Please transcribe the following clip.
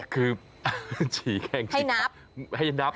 คือฉี่แข้งฉี่ขาให้นับ